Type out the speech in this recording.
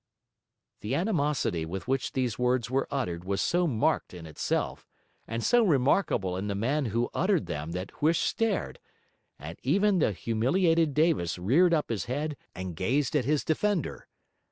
The animosity with which these words were uttered was so marked in itself, and so remarkable in the man who uttered them that Huish stared, and even the humiliated Davis reared up his head and gazed at his defender.